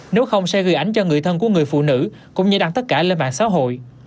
nếu không sẽ gây ảnh cho người thân của người phụ nữ cũng như đăng tất cả lên mạng xã hội